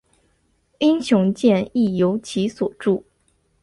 英雄剑亦由其所铸。